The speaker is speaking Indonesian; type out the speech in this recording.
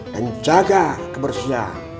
dan jaga kebersihan